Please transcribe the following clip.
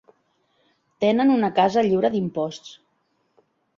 Tenen una casa lliure d'imposts.